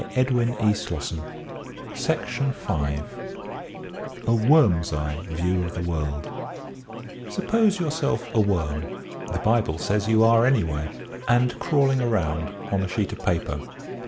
A WORM'S EYE VIEW OP THE WORLD 37 A WORM*S EYE VIEW OF THE WORLD Suppose yourself a worm — the Bible says you are anyway — and crawling around on a sheet of paper.